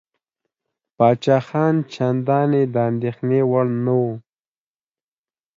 پاچاهان چنداني د اندېښنې وړ نه وه.